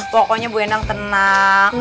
pokoknya ibu endang tenang